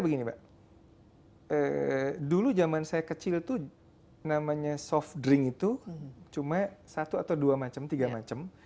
begini mbak dulu zaman saya kecil tuh namanya soft drink itu cuma satu atau dua macam tiga macam